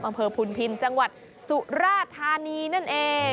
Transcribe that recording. อำเภอพุนพินจังหวัดสุราธานีนั่นเอง